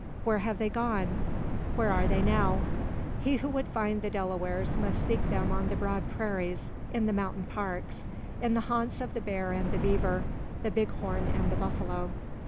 Where have they gone? Where are they now? He who would find the Delawares must seek them on the broad prairies, in the mountain parks, in the haunts of the bear and the beaver, the big horn and the buffalo.